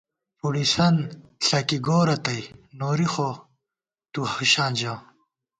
پُڑِسن ݪَکی گورہ تئ ، نوری خو تُو ہُشاں ژَہ